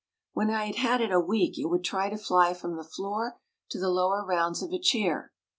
When I had had it a week it would try to fly from the floor to the lower rounds of a chair.